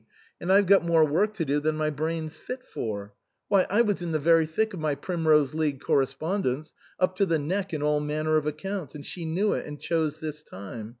And I've got more work to do than my brain's fit for ; why I was in the very thick of my Primrose League correspondence, up to the neck in all manner of accounts ; and she knew it, and chose this time.